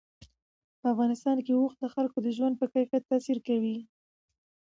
په افغانستان کې اوښ د خلکو د ژوند په کیفیت تاثیر کوي.